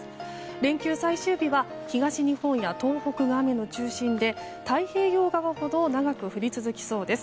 連休最終日は東日本や東北が雨の中心で太平洋側ほど長く降り続きそうです。